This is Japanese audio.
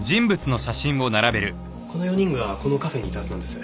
この４人がこのカフェにいたはずなんです。